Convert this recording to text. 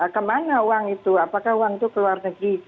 kemana uang itu apakah uang itu ke luar negeri